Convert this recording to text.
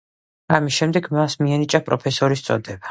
ამის შემდეგ მას მიენიჭა პროფესორის წოდება.